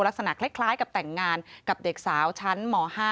ลักษณะคล้ายกับแต่งงานกับเด็กสาวชั้นหมอ๕